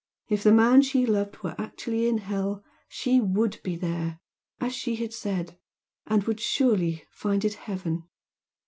If the man she loved were actually in hell she "would be there" as she had said! and would surely find it Heaven!